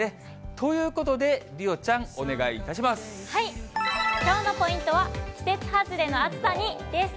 ということで、梨央ちゃん、きょうのポイントは、季節外れの暑さにです。